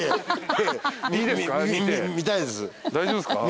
大丈夫っすか？